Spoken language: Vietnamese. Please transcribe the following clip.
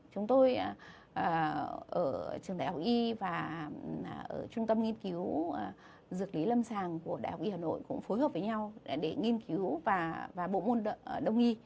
chúng tôi ở trường đại học y và ở trung tâm nghiên cứu dược lý lâm sàng của đại học y hà nội cũng phối hợp với nhau để nghiên cứu và bộ môn đồng nghi